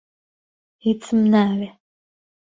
هیچم ناوێ.